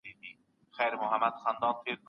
با سواده سړي د خپلو مېرمنو درناوی کوي.